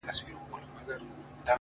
او هر اثر یې د استادانو او محصلانو